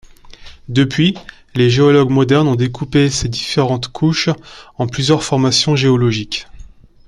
Depuis, les géologues modernes ont découpé ces différentes couches en plusieurs formations géologiques.